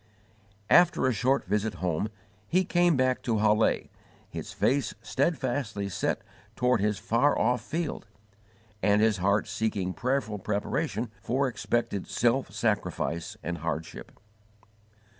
After a short visit home he came back to Halle, his face steadfastly set toward his far off field, and his heart seeking prayerful preparation for expected self sacrifice and hardship.